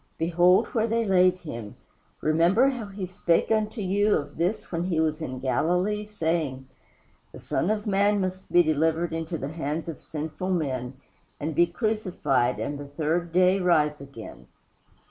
Behold where they laid him. Remember how he spake unto you of this when he was in Galilee, saying, The Son of man must be delivered into the hands of sinful men and be crucified, and the third day rise again."